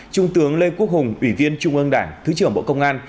trung tướng lê quốc hùng ủy viên trung ương đảng thứ trưởng bộ công an